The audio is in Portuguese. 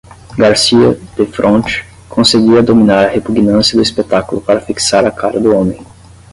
Garcia, defronte, conseguia dominar a repugnância do espetáculo para fixar a cara do homem.